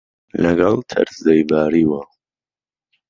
لهگهڵ تهرزهی باریوه